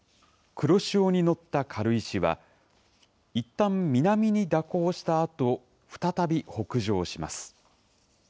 黒潮に乗った軽石は、いったん南に蛇行したあと、再び北上します。